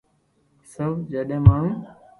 صرف جڏهن ماڻهو